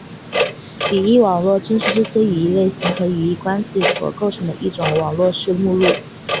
语义网络正是这些语义类型和语义关系所构成的一种网络式目录。